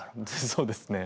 そうですね。